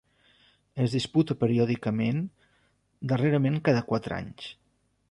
Es disputa periòdicament, darrerament cada quatre anys.